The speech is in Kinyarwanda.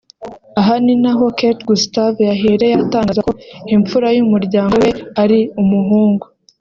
Aha ninaho Kate Gustave yahereye atangaza ko imfura y’umuryango we ari umuhungu